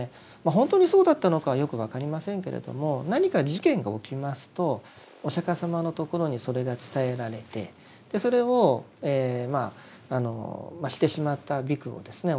本当にそうだったのかはよく分かりませんけれども何か事件が起きますとお釈迦様のところにそれが伝えられてそれをしてしまった比丘をですね